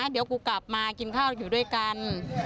เดี๋ยวกูกลับมากินข้าวอยู่ด้วยกัน